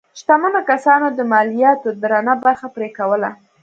شتمنو کسانو د مالیاتو درنه برخه پرې کوله.